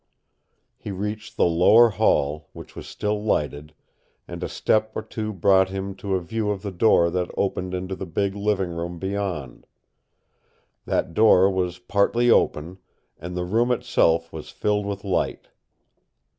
He reached the lower hall, which was still lighted, and a step or two brought him to a view of the door that opened into the big living room beyond. That door was partly open, and the room itself was filled with light.